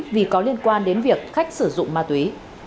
vì có liên quan đến việc khách sử dụng ma túy